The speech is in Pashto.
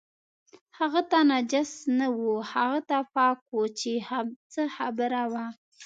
هغه ته نجس نه و، هغه ته پاک و چې څه خبره وه.